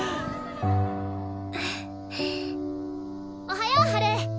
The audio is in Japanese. おはようハル。